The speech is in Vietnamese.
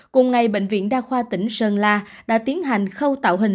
cùng ngày bệnh viện đa khoa tỉnh sơn la đã tiến hành khâu tạo hình